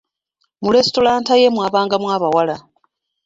Mu lesitulanta ye mwabangamu abawala.